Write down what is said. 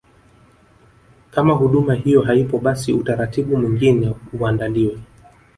Kama huduma hiyo haipo basi utaratibu mwingine uandaliwe